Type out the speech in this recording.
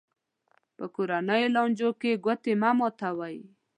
په کورنیو لانجو کې ګوتې مه ماتوي.